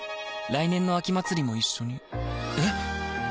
来年の秋祭も一緒にえ